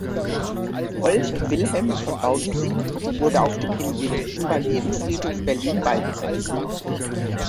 Wolf Wilhelm von Baudissin wurde auf dem Invalidenfriedhof Berlin beigesetzt.